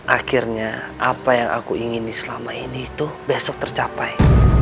akhirnya apa yang aku ingin selama ini itu besok tercapai